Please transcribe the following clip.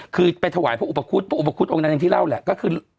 คือไปถวายพวกอุปคุศพวกอุปคุศองค์นั้นที่เล่าแหละก็คือ